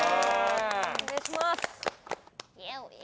おねがいします。